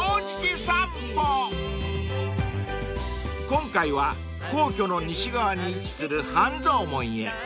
［今回は皇居の西側に位置する半蔵門へ］